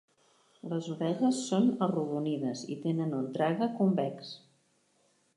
Les orelles són arrodonides i tenen un trague convex.